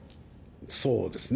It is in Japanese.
そうですね。